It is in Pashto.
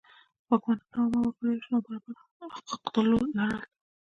واکمنانو او عامو وګړو یو شان او برابر حقوق لرل.